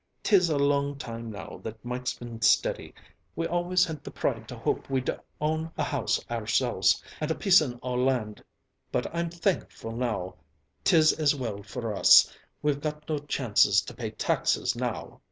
'Tis a long time now that Mike's been steady. We always had the pride to hope we'd own a house ourselves, and a pieceen o' land, but I'm thankful now 'tis as well for us; we've no chances to pay taxes now."